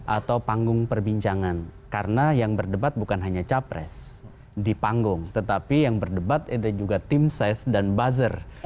atau panggung perbincangan karena yang berdebat bukan hanya capres di panggung tetapi yang berdebat ada juga tim ses dan buzzer